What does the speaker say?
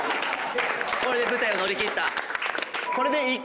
これで舞台を乗り切った。